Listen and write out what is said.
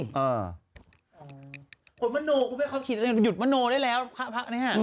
คนมโนกูให้เขาหยุดมโนได้แล้วภาพนี้ฮะ